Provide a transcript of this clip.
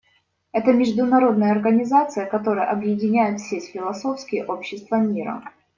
Это международная организация, которая объединяет все философские общества мира.